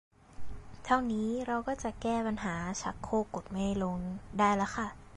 เท่านี้เราก็จะแก้ปัญหาชักโครกกดไม่ลงได้แล้วค่ะ